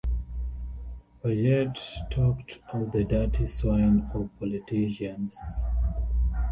Paget talked of the dirty swine of politicians.